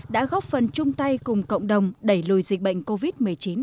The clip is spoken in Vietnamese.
đã góp phần chung tay cùng cộng đồng đẩy lùi dịch bệnh covid một mươi chín